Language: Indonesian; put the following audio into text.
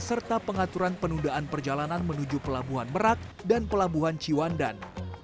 serta pengaturan penundaan perjalanan menuju pelabuhan merak dan pelabuhan ciwandan